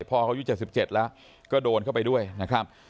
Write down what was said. พ่อเขาอายุ๗๗แล้วก็โดนเข้าไปด้วยนะครับ